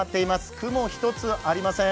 雲一つありません。